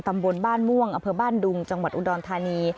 ตำบลบ้านม่วงอำเภอบ้านดุงจังหวัดอุดรธานี